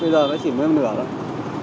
bây giờ nó chỉ mới một nửa thôi